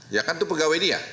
ya kan itu pegawai dia